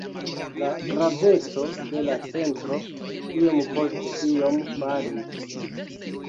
La graveco de la centro iom post iom falis.